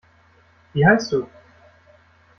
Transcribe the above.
Wie heißt du?